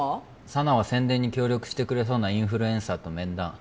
佐奈は宣伝に協力してくれそうなインフルエンサーと面談うん